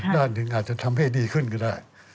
ด้านหนึ่งอาจจะทำให้ดีขึ้นก็ได้